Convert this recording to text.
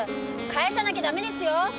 返さなきゃダメですよ！